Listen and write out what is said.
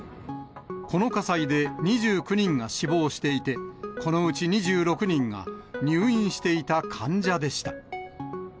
この火災で２９人が死亡していて、このうち２６人が入院していた患者でした。